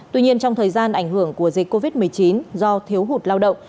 tuy nhiên trong thời gian ảnh hưởng của dịch covid một mươi chín do thiếu hụt lao động